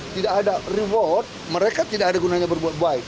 tidak ada reward mereka tidak ada gunanya berbuat baik